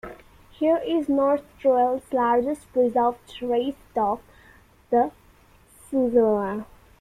Here is north Tyrol's largest preserved raised bog, the "Schwemm".